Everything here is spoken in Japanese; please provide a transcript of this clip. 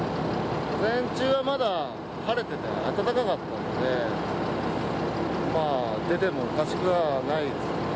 午前中はまだ晴れてて、暖かかったんで、まあ、出てもおかしくはないですね。